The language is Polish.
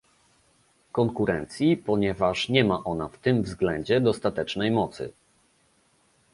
Konkurencji - ponieważ nie ma ona w tym względzie dostatecznej mocy